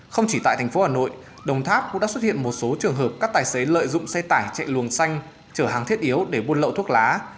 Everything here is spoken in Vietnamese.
không chỉ tại thành phố hà nội đồng tháp cũng đã xuất hiện một số trường hợp các tài xế lợi dụng xe tải chạy luồng xanh chở hàng thiết yếu để buôn lậu thuốc lá